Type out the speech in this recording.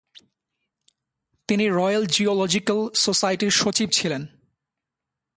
তিনি royal geological সোসাইটির সচিব ছিলেন।